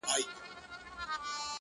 قاضي صاحبه ملامت نه یم بچي وږي وه ـ